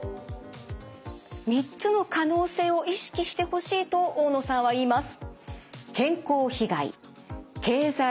３つの可能性を意識してほしいと大野さんは言います。